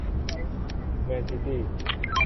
แมนซิตี้